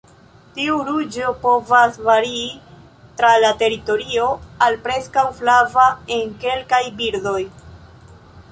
Tiu ruĝo povas varii tra la teritorio al preskaŭ flava en kelkaj birdoj.